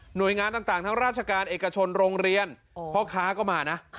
โดยงานต่างทั้งราชการเอกชนโรงเรียนพ่อค้าก็มานะ